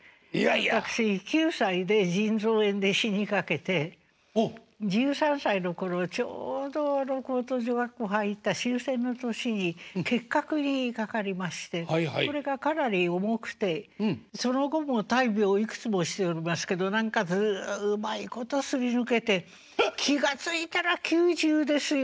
私９歳で腎臓炎で死にかけて１３歳の頃ちょうど高等女学校入った終戦の年に結核にかかりましてこれがかなり重くてその後も大病いくつもしておりますけど何かうまいことすり抜けて気が付いたら９０ですよ。